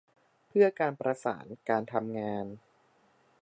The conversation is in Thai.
เพื่อการประสานการทำงาน